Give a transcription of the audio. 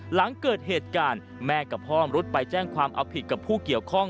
หลังเกิดเหตุการณ์แม่กับพ่อมรุษไปแจ้งความเอาผิดกับผู้เกี่ยวข้อง